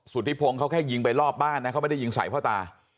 สุธิพงศ์เขาแค่ยิงไปรอบบ้านนะเขาไม่ได้ยิงใส่พ่อตา